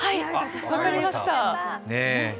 分かりました。